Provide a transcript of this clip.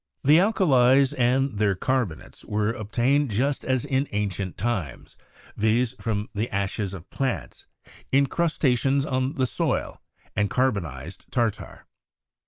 The alkalies and their carbonates were obtained just as in ancient times, viz., from the ashes of plants, incrusta tions on the soil, and carbonized tartar.